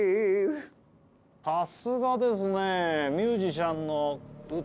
さすがですね